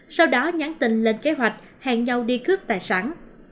sau đó nhắn tin lên kế hoạch hẹn nhau đi cướp tài sản